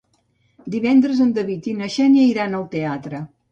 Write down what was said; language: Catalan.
Divendres en David i na Xènia iran al teatre.